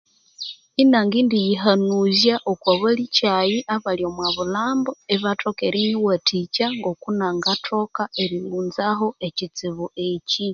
Eningendiyihanuzya okwabalhichayi abalhi omwabulhambo ebathoka erinyiwathicha ngakunangathoka erighunzaho echithibyeki